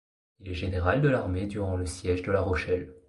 Il est général de l'armée durant le siège de la Rochelle.